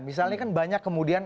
misalnya kan banyak kemudian